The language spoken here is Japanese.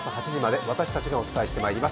私たちがお伝えしてまいります。